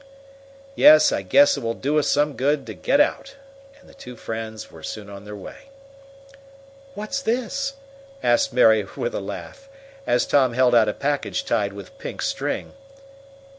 "Yes, I guess it will do us good to get out," and the two friends were soon on their way. "What's this?" asked Mary, with a laugh, as Tom held out a package tied with pink string.